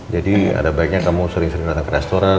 jadi ada baiknya kamu sering sering dateng ke restoran